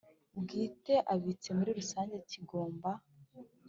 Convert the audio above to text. bwite abitse muri rusange kigomba